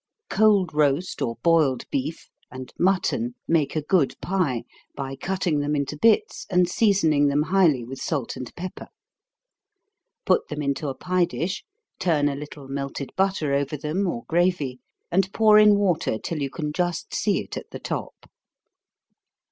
Cold roast, or boiled beef, and mutton, make a good pie, by cutting them into bits, and seasoning them highly with salt and pepper. Put them into a pie dish, turn a little melted butter over them, or gravy, and pour in water till you can just see it at the top.